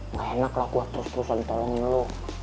ga enak lah gue terus terusan tolongin lo